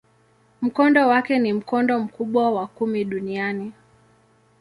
Mkondo wake ni mkondo mkubwa wa kumi duniani.